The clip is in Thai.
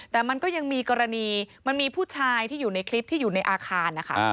แต่มันก็ยังมีกรณีมันมีผู้ชายที่อยู่ในคลิปที่อยู่ในอาคารนะคะ